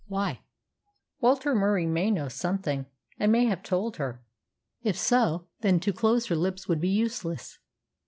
"Why?" "Walter Murie may know something, and may have told her." "If so, then to close her lips would be useless.